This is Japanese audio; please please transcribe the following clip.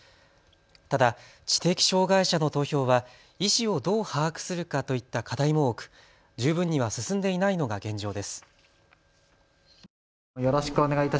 ただ知的障害者の投票は意思をどう把握するかといった課題も多く十分には進んでいないのが現状です。